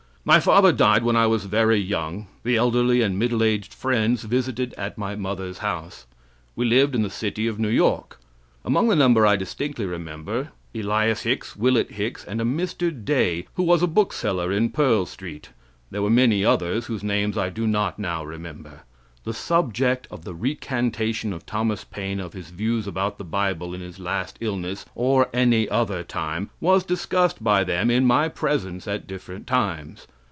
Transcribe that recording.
My father died when I was very young. The elderly and middle aged Friends visited at my mother's house. We lived in the City of New York. Among the number I distinctly remember Elias Hicks, Willet Hicks, and a Mr. Day, who was a bookseller in Pearl St. There were many others whose names I do not now remember. The subject of the recantation of Thomas Paine of his views about the Bible in his last illness, or any other time, was discussed by them in my presence at different times.